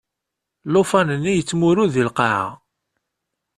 Llufan-nni yettmurud deg lqaɛa.